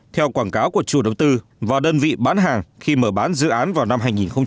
theo quảng cáo của chủ đầu tư và đơn vị bán hàng khi mở bán dự án vào năm hai nghìn hai mươi